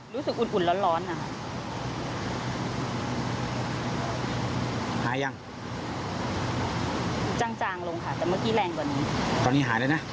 รู้สึกอุ่นแล้วร้อนนะค่ะ